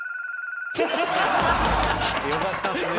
よかったですね。